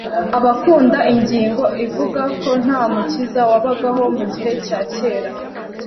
Abakunda ingingo ivuga ko nta Mukiza wabagaho mu gihe cya kera